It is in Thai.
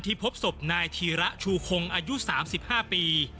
พบศพนายธีระชูคงอายุ๓๕ปี